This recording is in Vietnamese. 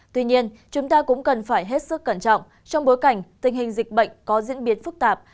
tuy nhiên chúng ta cũng cần phải hết sức cẩn trọng trong bối cảnh tình hình dịch bệnh có diễn biến phức tạp